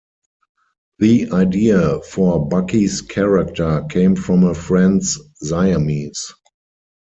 The idea for Bucky's character came from a friend's Siamese.